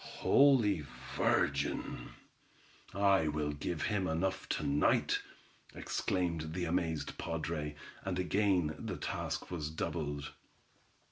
"Holy Virgin! I will give him enough to night," exclaimed the amazed padre, and again the task was doubled.